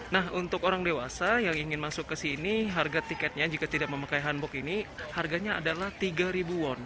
nah untuk orang dewasa yang ingin masuk ke sini harga tiketnya jika tidak memakai hanbok ini harganya adalah tiga ribu won